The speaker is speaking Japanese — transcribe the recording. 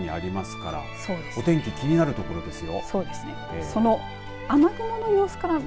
近くにありますからお天気、気になるところですよ。